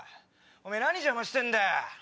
おめぇ何邪魔してんだよ